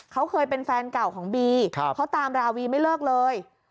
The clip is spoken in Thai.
เขาเคยเป็นแฟนเก่าของบีเขาตามราวีไม่เลิกเลย